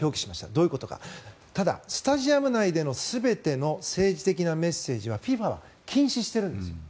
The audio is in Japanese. どういうことかただ、スタジアム内での全ての政治的なメッセージはＦＩＦＡは禁止しているんです。